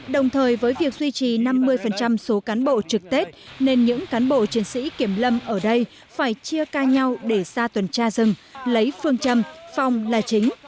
đồng thời với việc duy trì năm mươi số cán bộ trực tết nên những cán bộ chiến sĩ kiểm lâm ở đây phải chia ca nhau để ra tuần tra rừng lấy phương châm phòng là chính